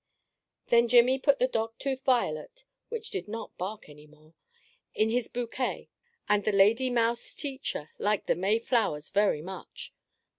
Then Jimmie put the dog tooth violet (which did not bark any more) in his bouquet and the lady mouse teacher liked the May flowers very much.